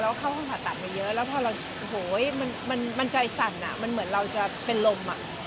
เข้าห้องผ่าตัดมาเยอะแล้วพอเรามันใจสั่นมันเหมือนเราจะเป็นลม